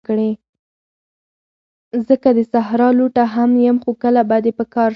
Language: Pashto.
زه که د صحرا لوټه هم یم، خو کله به دي په کار شم